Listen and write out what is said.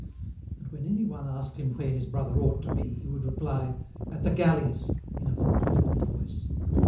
And when anyone asked him where his brother ought to be, he would reply, "At the galleys!" in a formidable voice.